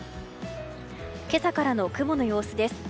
今朝からの雲の様子です。